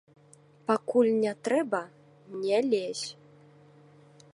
Пакуль не трэба, не лезь.